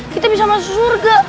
kita bisa masuk surga